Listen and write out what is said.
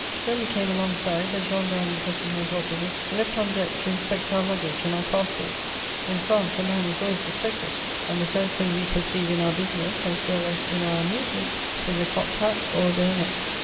When we came alongside, the gendarmes and custom house officers leapt on deck to inspect our luggage and our passports: in France a man is always suspected, and the first thing we perceive in our business, as well as in our amusements, is a cocked hat or a bayonet.